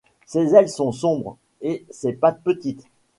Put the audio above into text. Ses ailes sont sombres et ses pattes petites.